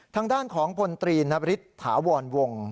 ทางด้านของพลตรีนบริษฐาวรวง